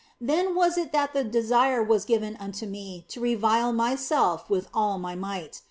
Then was it that the desire was given unto me to revile myself with all my might.